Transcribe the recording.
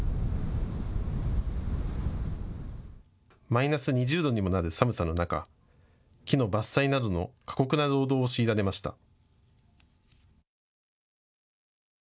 マイナス２０度にもなる寒さの中、木の伐採などの過酷な労働を強いられました。